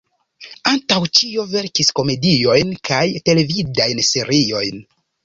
Antaŭ ĉio verkis komediojn kaj televidajn seriojn.